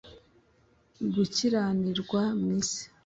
gukiranirwa mu isi